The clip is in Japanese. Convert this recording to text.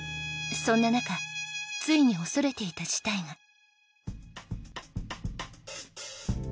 そんな中ついに恐れていた事態が。